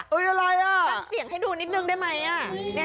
ถ่ำเสียงให้ดูนิดนึงได้ไหมอ่ะ